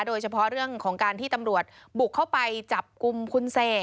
โดยเฉพาะเรื่องของการที่ตำรวจบุกเข้าไปจับกลุ่มคุณเสก